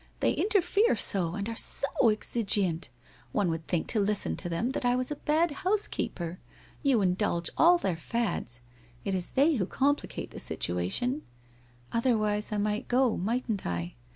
They interfere so, and are so exigeante. One would think to listen to them, that I was a bad house keeper. You indulge all their fads. It is they who com plicate the situation '' Otherwise I might go, mightn't I?'